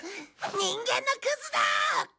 人間のクズだー！